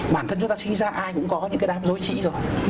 bản thân chúng ta sinh ra ai cũng có những cái đám dối trĩ rồi